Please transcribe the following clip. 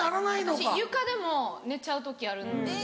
私床でも寝ちゃう時あるんですよ。